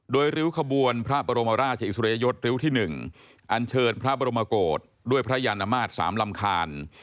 โดยริ้วขบวนพระบรมราชอิสริยยศริ้วที่๑อันเชิญพระบรมโกศด้วยพระยานมาตร๓ลำคาญ